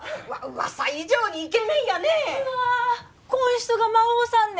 噂以上にイケメンやね！